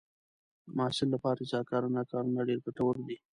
د محصل لپاره رضاکارانه کارونه ډېر ګټور دي.